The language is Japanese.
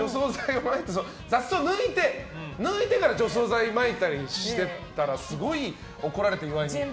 雑草を抜いてから除草剤をまいたりしてたらすごい怒られて、岩井に。